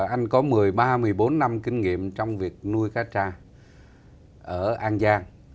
anh có một mươi ba một mươi bốn năm kinh nghiệm trong việc nuôi cá tra ở an giang